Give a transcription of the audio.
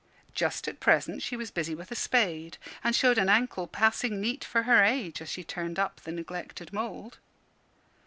Just at present she was busy with a spade, and showed an ankle passing neat for her age, as she turned up the neglected mould.